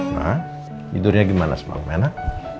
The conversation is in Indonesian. nah tidurnya gimana sebang enak